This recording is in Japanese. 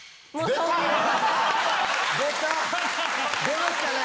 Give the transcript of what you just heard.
出ましたね！